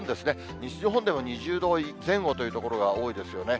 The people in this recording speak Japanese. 西日本でも２０度前後という所が多いですよね。